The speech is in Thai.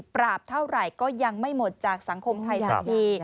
เท่าไหร่ก็ยังไม่หมดจากสังคมไทยสักที